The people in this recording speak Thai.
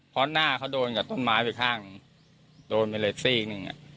เพราะหน้าเขาโดนกับต้นไม้ไปข้างโดนไปเลยซีกหนึ่ง